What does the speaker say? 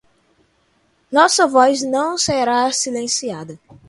Nossa voz não será silenciada.